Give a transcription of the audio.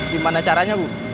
gimana caranya bu